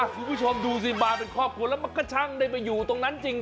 คุณผู้ชมดูสิมาเป็นครอบครัวแล้วมันก็ช่างได้มาอยู่ตรงนั้นจริง